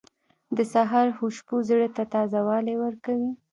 • د سهار خوشبو زړه ته تازهوالی ورکوي.